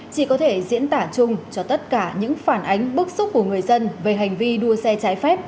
chỉ có thể diễn tả chung cho tất cả những phản ánh bức xúc của người dân về hành vi đua xe trái phép